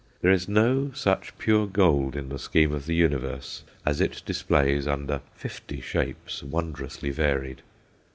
There is no such pure gold in the scheme of the universe as it displays under fifty shapes wondrously varied.